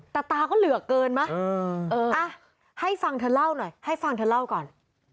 แต่ตาก็เหลือเกินมั้ยให้ฟังเธอเล่าหน่อยให้ฟังเธอเล่าก่อน